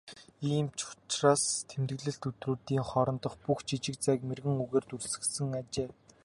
"Ийм ч учраас тэмдэглэлт өдрүүдийн хоорондох бүх жижиг зайг мэргэн үгээр дүүргэсэн" гэжээ.